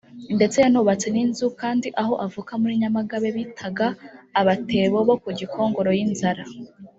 ndetse yanubatse n’inzu kandi aho avuka muri Nyamagabe bitaga abatebo bo ku Gikongoro y’inzara